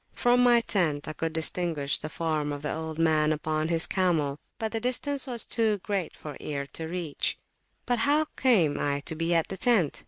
From my tent I could distinguish the form of the old man upon his camel, but the distance was too great for ear to reach. But how came I to be at the tent?